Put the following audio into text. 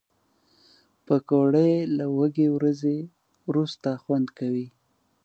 پکورې له وږې ورځې وروسته خوند کوي